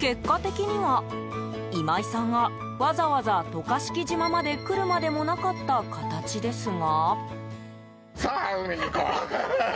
結果的には今井さんはわざわざ渡嘉敷島まで来るまでもなかった形ですが。